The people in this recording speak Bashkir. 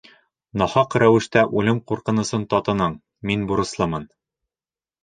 Нахаҡ рәүештә үлем ҡурҡынысын татының, мин бурыслымын.